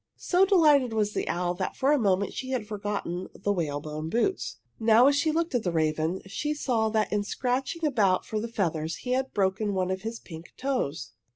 So delighted was the owl that for a moment she had forgotten the whalebone boots. Now as she looked at the raven she saw that in scratching about for the feathers he had broken one of his pink toes.